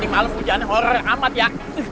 malam hujan horror amat ya